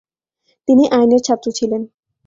তিনি আইনের ছাত্র ছিলেন।